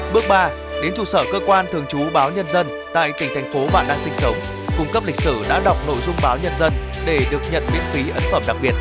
bước ba đến trụ sở cơ quan thường trú báo nhân dân tại tỉnh thành phố bạn đang sinh sống cung cấp lịch sử đã đọc nội dung báo nhân dân để được nhận miễn phí ấn phẩm đặc biệt